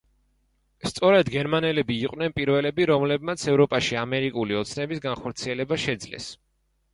სწორედ გერმანელები იყვნენ პირველები, რომლებმაც ევროპაში ამერიკული ოცნების განხორციელება შეძლეს.